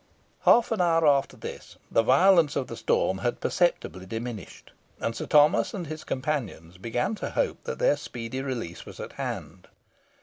Half an hour after this, the violence of the storm had perceptibly diminished, and Sir Thomas and his companions began to hope that their speedy release was at hand.